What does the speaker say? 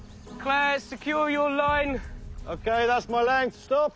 ストップ！